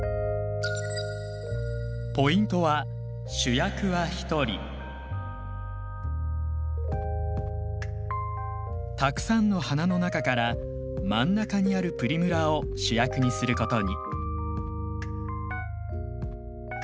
ポイントはたくさんの花の中から真ん中にあるプリムラを主役にすることに。